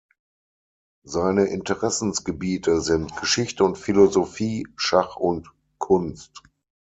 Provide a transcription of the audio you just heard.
Seine Interessengebiete sind Geschichte und Philosophie, Schach und Kunst.